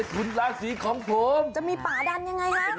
เป็นยังไง